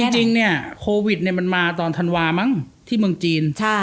คือจริงนี้โควิดมันมาตอนธันวาสมัครที่เมืองจีน